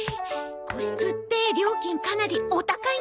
個室って料金かなりお高いんですよね？